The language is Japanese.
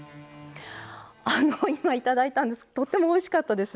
今いただいたんですけどとってもおいしかったです。